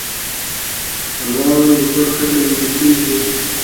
د واورې اوبه کله ویلی کیږي؟